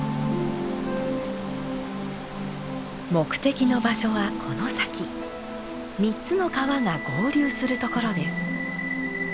目的の場所はこの先３つの川が合流するところです。